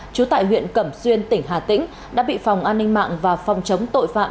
trú tại huyện cẩm xuyên tỉnh hà tĩnh đã bị phòng an ninh mạng và phòng chống tội phạm